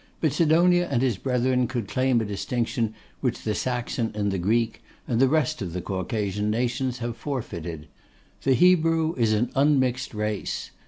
But Sidonia and his brethren could claim a distinction which the Saxon and the Greek, and the rest of the Caucasian nations, have forfeited. The Hebrew is an unmixed race.